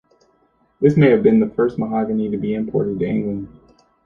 This may have been the first mahogany to be imported to England.